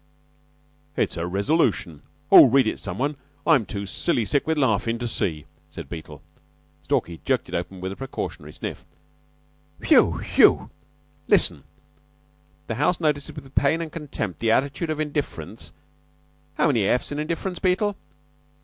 "It's the resolution! Oh, read it, some one. I'm too silly sick with laughin' to see," said Beetle. Stalky jerked it open with a precautionary sniff. "Phew! Phew! Listen. 'The house notices with pain and contempt the attitude of indiference' how many f's in indifference, Beetle?"